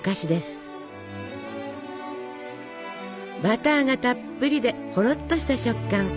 バターがたっぷりでほろっとした食感。